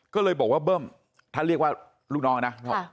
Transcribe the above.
ก็เลยบอกว่าเบิ้มถ้าเรียกว่าลูกน้องนะ